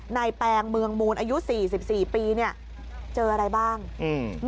แปลงเมืองมูลอายุสี่สิบสี่ปีเนี้ยเจออะไรบ้างอืม